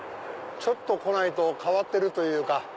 ちょっと来ないと変わってるというか。